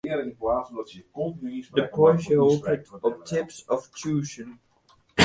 De polysje hopet op tips of tsjûgen.